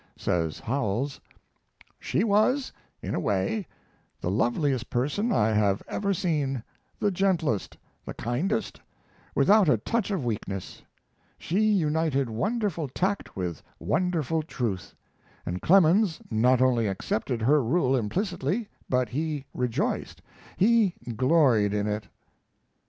Says Howells: She was, in a way, the loveliest person I have ever seen the gentlest, the kindest, without a touch of weakness; she united wonderful tact with wonderful truth; and Clemens not only accepted her rule implicitly, but he rejoiced, he gloried in it.